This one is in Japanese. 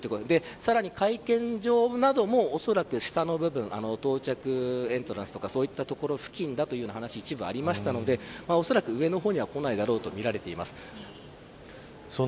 さらに、会見場などもおそらく下の部分到着エントランスとかそういった所、付近だという話がありましたのでおそらく上の方には来ないだろうとみられています。